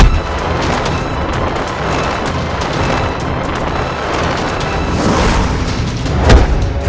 aku akan menangkap dia